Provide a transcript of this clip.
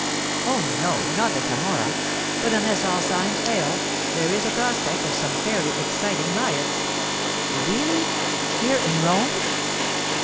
'Oh, no; not the Camorra. But unless all signs fail, there is a prospect of some fairly exciting riots.' 'Really? Here in Rome?